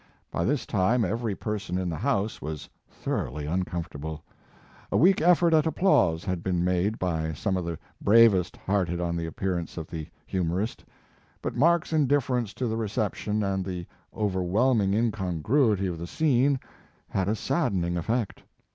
By this time every person in the house was thoroughly un comfortable. A weak effort at applause had been made by some of the bravest hearted on the appearance of the humor ist, but Mark s indifference to the recep tion and the overwhelming incongruity of the scene had a saddening effect.